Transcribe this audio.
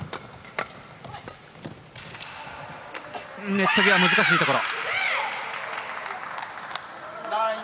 ネット際、難しいところ。